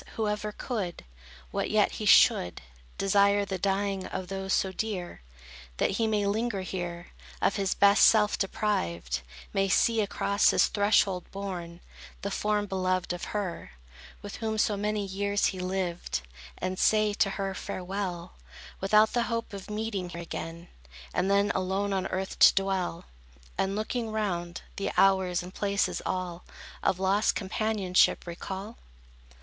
who ever could, What yet he should, Desire the dying day of those so dear, That he may linger here, Of his best self deprived, May see across his threshold borne, The form beloved of her, With whom so many years he lived, And say to her farewell, Without the hope of meeting here again; And then alone on earth to dwell, And, looking round, the hours and places all, Of lost companionship recall?